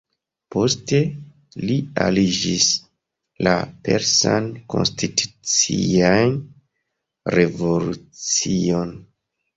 Poste, li aliĝis la Persan Konstitucian Revolucion.